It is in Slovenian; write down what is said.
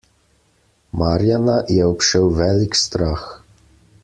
Marjana je obšel velik strah.